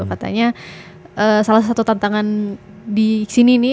katanya salah satu tantangan di sini nih